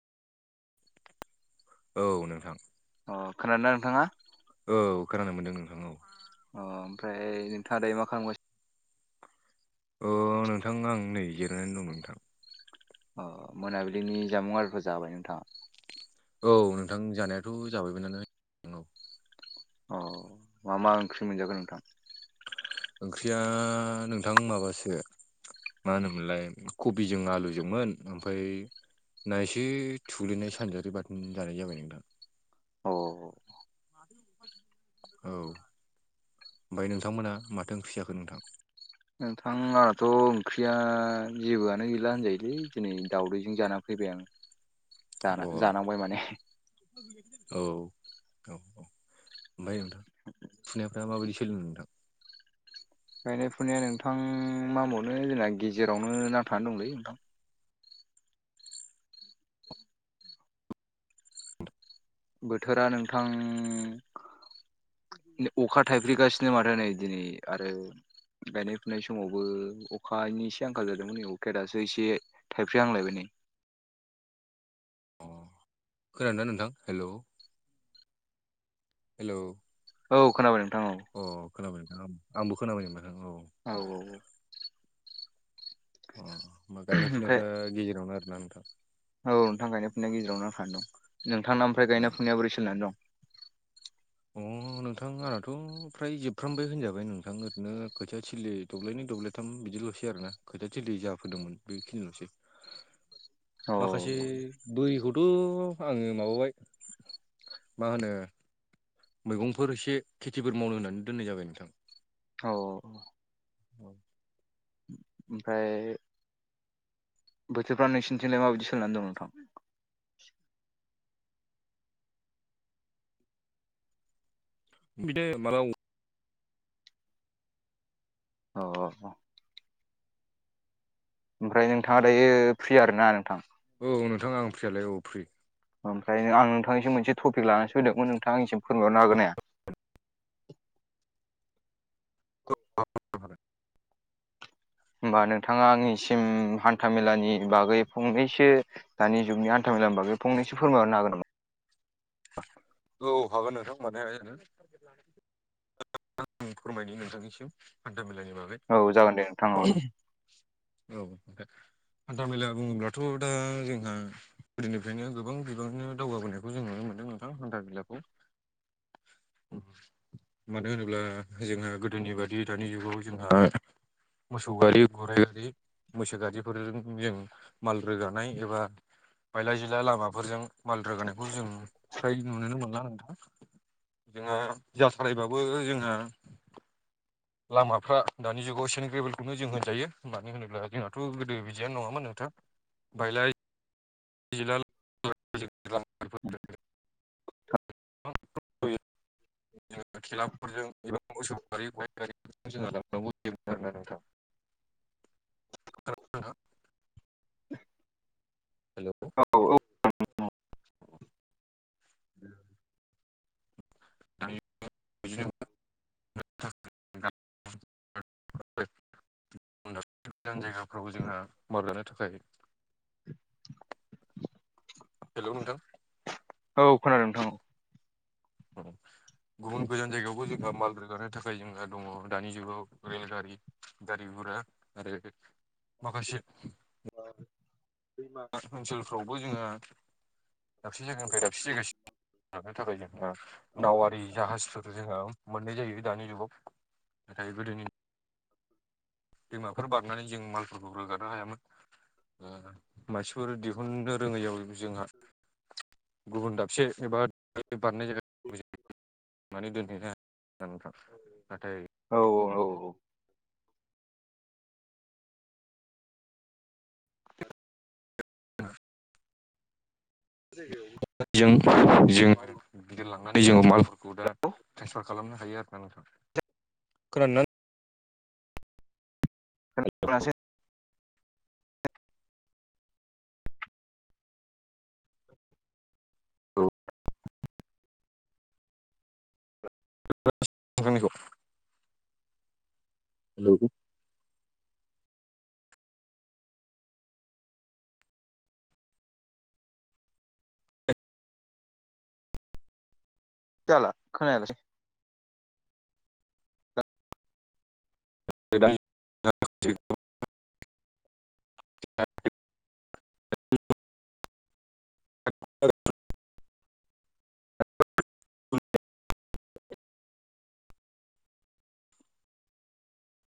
औ नोंथां। अ खोनादोंना नोंथाङा। औ खोनानो मोन्दों नोंथां औ। अ ओमफ्राय नोंथाङा दायो मा खालामबायासि अ नोंथां आं नै जिरायनानै दं नोंथां अ मोनाबिलिनि जामुं आरारििफोर जाबाय नोंथाङा? औ नोंथां जानायाथ' जाबायमोन नालाय अ मा मा ओंख्रि मोनजागोन नोंथां? ओंख्रिया नोंथां माबासो मा होनोमोनलाय कबिजों आलुजोंमोन ओमफ्राय नायसे थुलैनाय सानजारि बाथोन जानाय जाबाय नोंथां औ औ ओमफ्राय नोंथांमोना माथो माखै् जाखो नोंथां नोंथां आंहथ' ओंख्रिया जेबोआनो गैला होनजायोलै दिनै दावदैजों जाना फैबाय आं अ ज जानांबाय माने औ औ औ ओमफ्राय नोंथां फुनायफ्रा माबायदि सोलों नोंथां गायनाय फुनाया नोंथां मा होनबावनो जोंना गेजेरावनो नांथानानै दंलै नोंथां बोथोरा नोंथां अखा थाइफैगासिनो माथो नै दिनै आरो गायनाय फुनाय समावबो अखानि एसे आंखाल जादोंमोन नै अखे दासो एसे थाइफि् आांलायबाय। अ खोनादों ना नोंथां हेल' हेलौ औ खोनाबाय नोंथां औ। अ खोनाबाय आंबो खोनाबाय नोंथां औ। औ औ औ। अ हामबा गायनाय ओमफ्राय फुनायफ्रा गेजेरावनो आरोना नोंथां। औ नोंथां गायनाय फुनायनि गेजेरावनों नांथाना दं नोंथां ओमफ्राय अ गायनाय फुंनाया बोरै सोलिनानै दं? अ नोंथां आंनाथ' फ्राय जोबफ्रामबाय होनजाबाय नोंथां ओरैनो खोथिया थिलि दब्लायै दब्लाय साथाम बिदिल'सै आरो ना खोथिया थिलि जा फोदोंमोन बेखिनिल'सै औ माखासे बोरखौथ' आङो माबाबाय मा होनो मैगंफोर एसे खेथिफोर मावनो होननानै दोननाय जाबाय नोंथां औ औ ओमफ्राय बोथोर्फा नोंसनिथिंलाय माबायदि सोलनानै दं नोंथां मथे मा अ औ औ। ओमफ्राय नोंथाङा दायो फ्रि आरो ना नोंथां। औ नोंथाङा आं फ्रियालाय औ फ्रि ओमफ्राय आं नोंथांनिसिम मोनसे टपिक लानानैसो होदोंमोन नोंथां आंसिम फोरमायरनो हागोन हाया। होमबा नोंथाङा आंनिसिम हान्थामेलानि बागै फंनैसो दानि जुगनि आथामेलाबा बे फंनसो फोरायहरनोाग नामा औ हागोन नोंथां मोनाय आं फोरमायनो नोंथांनिसिम हान्थाामेलानि बागै औ जागोन दे नोंथां औ। औ हान्था मेला बुङोब्लाथ' दा जोंहा गोदोनिफ्रायनो गोबां बिबांनो दावगाबोनायखौ जों नुनो मोनदों नोंथां हान्था मेलाखौ औ मानो होनोब्ला जोंहा गोदोनि बादि दानि जुगाव जोंहा मोसौ गारि गराइ गारि मैसो गादिफोरजों जों माल रोगानाय एबा बायला जिला लामाफोरजों माल रोगानायखौ जों नुोनो मोनला नोंथां जोङहा जा सालायबाबो जोङो लामाफ्रा दानि जुगाव सेनिक रेभेलखौनो जों होनजायो मानो होनोब्ला जोंनााथ' गोदो बिदियनो नङामोन नोंथां बायलाय [unintelligible] [inaudible] [unintelligible] [unintelligible] खोनादोंना नोंथां? खोनादोंना हेल' औ [inaudible] दानि बिदिनो [inaudible] गोजान जायगाफ्रावबो जोंहा मावजानो थाखाय हेल' नोंथां औ खोनादों नोंथां गुबुन गोजान जायगायावबो जोंहा माल रोगानो थाखाय जों आरो दङ दानि जुगाव रेलगारि गारि गुरा आरो माखासे ओनसोलफ्रावबो जोङो दाबसे जायगानिफ्राय दाबसे जायगा सिम लांनो थाखाय जोंहा नावारि जाहाज जोंहा मोननाय जायो दानि जुगाव नाथाय गोदोनि दैमाफोर बारनानै जों मालफोरखौ रोगानो हायामोन मानसिफोर दिहुननो रोङैयाव जोंहा गुबुन दाबसे एबा बारनाय जायगा [inaudible] औ औ औ [inaudible] ज जोङो गिदिर लांनानै जोङो मालफोरखौ दा ट्रेन्सफार खालामनो हायो आरो खोनासै हेल' औ नोंथांनिखौ हेल' जाला खोनला [inaudible] [inaudible] [inaudible]